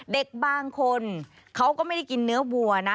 เด็กบางคนเขาก็ไม่ได้กินเนื้อวัวนะ